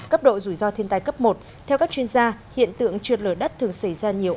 cấp độ rủi ro thiên tai cấp một theo các chuyên gia hiện tượng trượt lở đất thường xảy ra nhiều